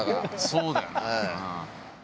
そうだよね。